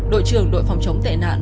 đội trưởng đội phòng chống tệ nạn